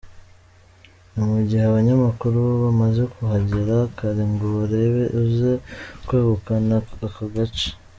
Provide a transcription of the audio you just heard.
Ni mu gihe abanyamakuru bo bamaze kuhagera kare ngo barebe uza kwegukana aka gace.